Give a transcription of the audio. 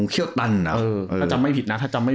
เออถ้าจำไม่ผิดนะ